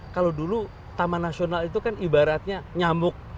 kalau dulu taman nasional itu kan ibaratnya nyamuk